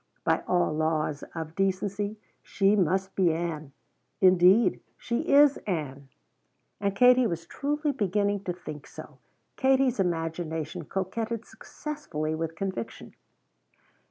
By all laws of decency, she must be Ann. Indeed, she is Ann." And Katie was truly beginning to think so. Katie's imagination coquetted successfully with conviction.